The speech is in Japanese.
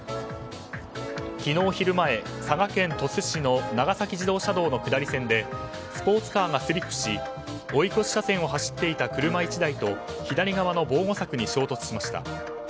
昨日昼前、佐賀県鳥栖市の長崎自動車道の下り線でスポーツカーがスリップし追い越し車線を走っていた車１台と左側の防護柵に衝突しました。